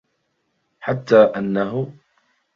حَتَّى أَنَّهُ